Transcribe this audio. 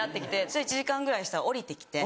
したら１時間ぐらいしたら下りてきて。